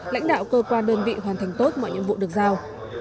lãnh đạo cơ quan đơn vị hoàn thành tốt mọi nhiệm vụ được giao